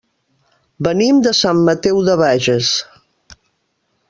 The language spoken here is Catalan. Venim de Sant Mateu de Bages.